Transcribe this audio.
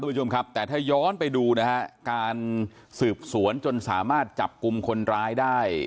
ผู้ชมครับแต่ถ้าย้อนไปดูนะฮะการสืบสวนจนสามารถจับกลุ่มคนร้ายได้